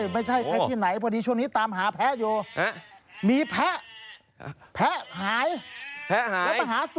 แบร่าาาา